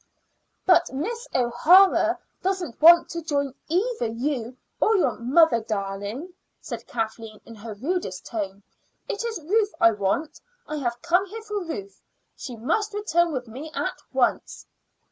"But Miss O'Hara doesn't want to join either you or your 'mother darling,'" said Kathleen in her rudest tone. "It is Ruth I want. I have come here for her. She must return with me at once."